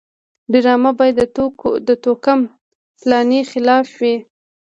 ډرامه باید د توکم پالنې خلاف وي